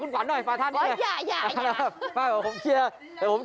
คุณขวานหน่อยปล่าท่านี้เลยอย่าอย่าอย่าไม่ผมเคลียร์แต่ผม